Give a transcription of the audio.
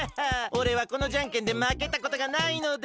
おれはこのじゃんけんでまけたことがないのだ！